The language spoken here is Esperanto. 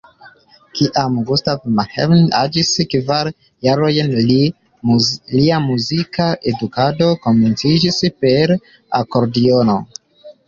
Kiam Gustav Mahler aĝis kvar jarojn, lia muzika edukado komenciĝis per akordiono.